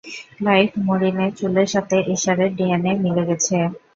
Clive মরিনের চুলের সাথে এশারের ডিএনএ মিলে গেছে।